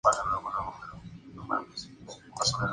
Están administradas sobre todo por la empresa privada Seibu Railway.